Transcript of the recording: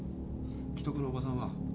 危篤のおばさんは？